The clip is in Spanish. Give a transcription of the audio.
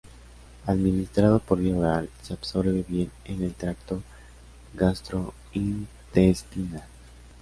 Administrado por vía oral, se absorbe bien en el tracto gastrointestinal.